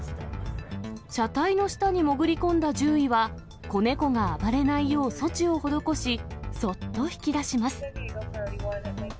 車体の下に潜り込んだ獣医は、子猫が暴れないよう措置を施し、そっと引き出します。